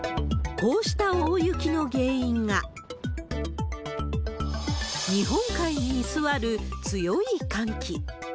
こうした大雪の原因が、日本海に居座る強い寒気。